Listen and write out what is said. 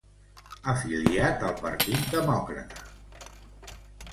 Afiliat al Partit Demòcrata.